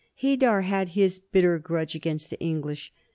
Haidar had his bitter grudge against the English.